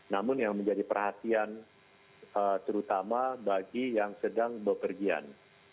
namun yang menjadi perhatian terutama bagi yang sedang berpergian